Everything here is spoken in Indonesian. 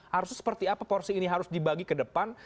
harusnya seperti apa porsi ini harus dibagi ke depan